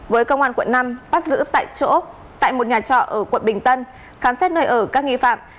với công an quận năm bắt giữ tại chỗ tại một nhà trọ ở quận bình tân khám xét nơi ở các nghi phạm